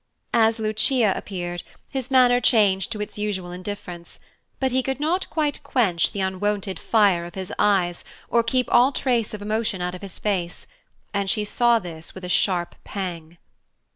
As Lucia appeared, his manner changed to its usual indifference; but he could not quench the unwonted fire of his eyes, or keep all trace of emotion out of his face, and she saw this with a sharp pang.